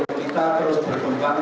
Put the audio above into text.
untuk kita terus berkembang